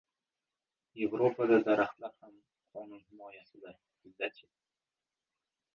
Yevropada daraxtlar ham qonun himoyasida. Bizda-chi?